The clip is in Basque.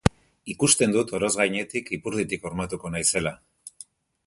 Ikusten dut oroz gainetik ipurditik hormatuko naizela!